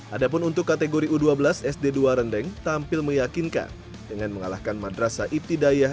ada pun untuk kategori u dua belas sd dua rendeng tampil meyakinkan dengan mengalahkan madrasa ibtidayah